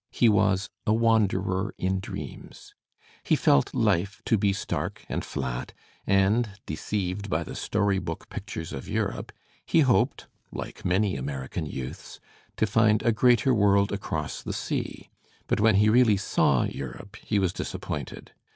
He was a wanderer in dreams. He felt life to be stark and flat, and, deceived by the story book pictures of Europe, he hoped, like many American youths, to find a greater world across the sea. But when he really saw Europe he was disappointed.